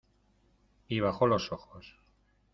Y bajó los ojos.